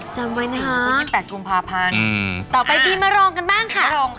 จำไว้นะคะ๒๘กุมภาพันธ์ต่อไปมีมารองกันบ้างค่ะ